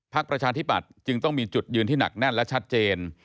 ประชาธิบัตย์จึงต้องมีจุดยืนที่หนักแน่นและชัดเจน